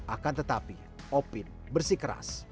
akan tetapi opin bersikeras